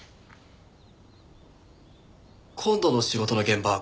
今度の仕事の現場